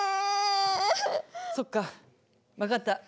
そっか分かった。